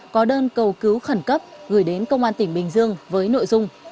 có đơn cầu cứu khẩn cấp gửi đến công an tỉnh bình dương với nội dung